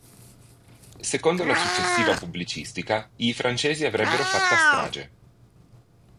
Secondo la successiva pubblicistica, i francesi avrebbero fatta strage.